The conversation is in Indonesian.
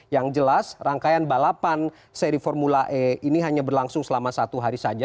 yang jelas rangkaian balapan seri formula e ini hanya berlangsung selama satu hari saja